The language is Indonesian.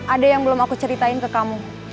ada yang belum aku ceritain ke kamu